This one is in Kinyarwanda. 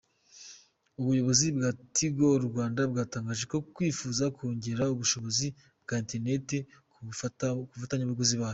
Ubuyobozi bwa Tigo Rwanda bwatangaje ko bwifuza kongera ubushobozi bwa internet ku bafatabuguzi bayo.